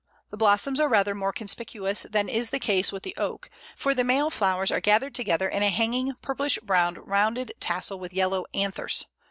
The blossoms are rather more conspicuous than is the case with the Oak, for the male flowers are gathered together in a hanging purplish brown rounded tassel with yellow anthers.